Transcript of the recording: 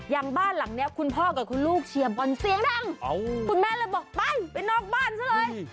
อย่างบ้านหลังนี้คุณพ่อกับคุณลูกเชียร์บอลเสียงดังคุณแม่เลยบอกไปไปนอกบ้านซะเลย